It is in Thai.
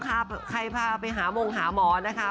ใครพาไปหามงหาหมอนะคะ